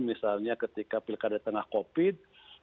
misalnya ketika pilkada tengah covid